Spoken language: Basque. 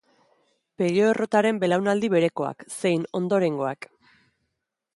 Pello Errotaren belaunaldi berekoak, zein ondorengoak.